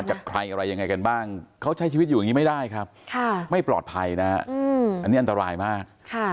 จากใครอะไรยังไงกันบ้างเขาใช้ชีวิตอยู่อย่างนี้ไม่ได้ครับไม่ปลอดภัยนะฮะอันนี้อันตรายมาก